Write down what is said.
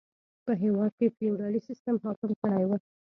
په هېواد کې فیوډالي سیستم حاکم کړی و.